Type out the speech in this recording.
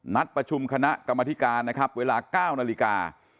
นัดประชุมคณะกรรมธิการนะครับเวลา๙นาฬิกา